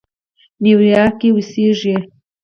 نیویارک کې اوسېږي.